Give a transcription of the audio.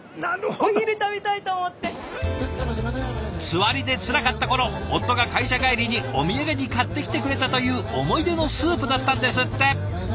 つわりでつらかった頃夫が会社帰りにお土産に買ってきてくれたという思い出のスープだったんですって。